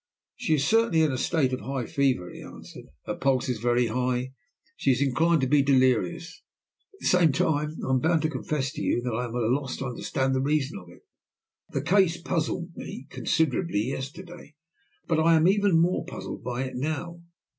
"She is certainly in a state of high fever," he answered. "Her pulse is very high, and she is inclined to be delirious. At the same time I am bound to confess to you that I am at a loss to understand the reason of it. The case puzzled me considerably yesterday, but I am even more puzzled by it now.